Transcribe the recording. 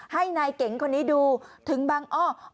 ให้นายเก๋งคนนี้ดูถึงบังอ้อ